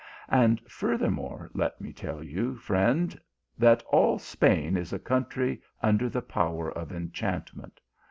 And furthermore let me tell you, friend, that all Spain is a country under the power of enchantment.